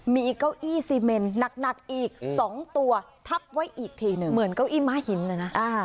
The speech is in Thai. มีเก้าอี้ซีเมนหนักอีก๒ตัวทับไว้อีกทีหนึ่งเหมือนเก้าอี้ม้าหินเลยนะ